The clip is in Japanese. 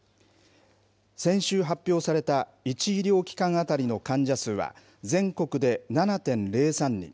先週発表された１医療機関当たりの患者数は全国で７．０３人。